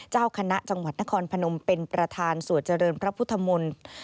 เจ้าคณะจังหวัดนครพนมเป็นประธานสวดเจริญพระพุทธมนตร์